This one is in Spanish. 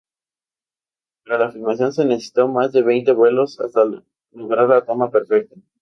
Para la filmación se necesitó más de veinte vuelos hasta lograr la toma perfecta.